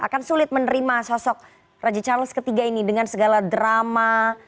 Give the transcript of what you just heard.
akan sulit menerima sosok raja charles iii ini dengan segala drama